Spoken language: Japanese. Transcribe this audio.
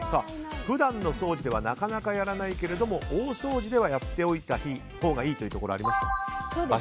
普段の掃除ではなかなかやらないけど大掃除ではやっておいたほうがいい場所ありますか。